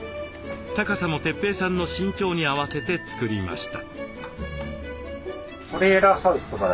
高さも哲平さんの身長に合わせて作りました。